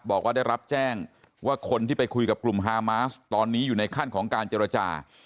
บอกว่าได้รับแจ้งว่าคนที่ไปคุยกับกลุ่มฮามาสตอนนี้อยู่ในขั้นของการเจรจา